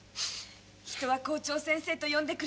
人は校長先生と呼んでくれる。